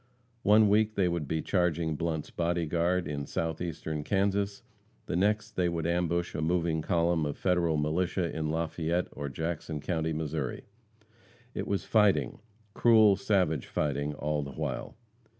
One week they would be charging Blunt's Body Guard in Southeastern Kansas; the next they would ambush a moving column of Federal militia in Lafayette, or Jackson county, Missouri. It was fighting cruel, savage fighting, all the while.